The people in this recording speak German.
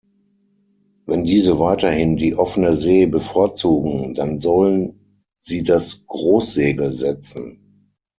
Wenn diese weiterhin die offene See bevorzugen, dann sollen sie das Großsegel setzen.